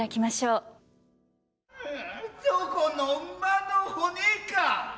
何処の馬の骨か。